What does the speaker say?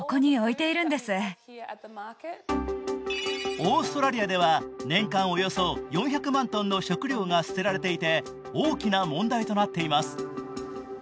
オーストラリアでは、年間およそ４００万トンの食料が捨てられていて大きな問題となっています。